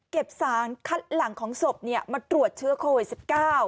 เก็บสารคัดหลังของศพเนี่ยมาตรวจเชื้อโควิด๑๙